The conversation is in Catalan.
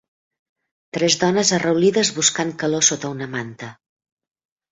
Tres dones arraulides buscant calor sota una manta.